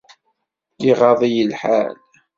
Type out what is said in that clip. Iɣaḍ-iyi lḥal.